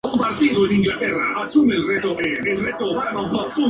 Sus oficinas centrales están ubicadas en París, Francia.